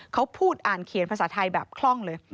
เขาพูดอ่านเขียนภาษาไทยแบบคล่องเลย